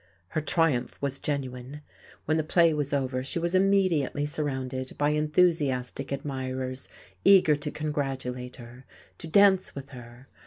Her triumph was genuine. When the play was over she was immediately surrounded by enthusiastic admirers eager to congratulate her, to dance with her.